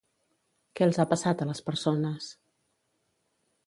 Què els ha passat a les persones?